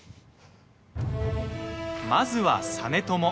まずは、実朝。